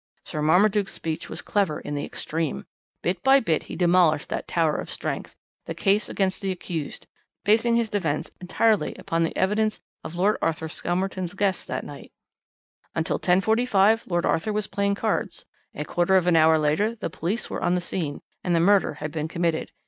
Sir Marmaduke's speech was clever in the extreme. Bit by bit he demolished that tower of strength, the case against the accused, basing his defence entirely upon the evidence of Lord Arthur Skelmerton's guests that night. "Until 10.45 Lord Arthur was playing cards; a quarter of an hour later the police were on the scene, and the murder had been committed.